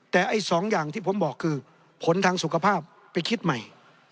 แต่ไอ้สองอย่างที่ผมบอกคือผลทางสุขภาพไปคิดใหม่